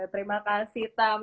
terima kasih tam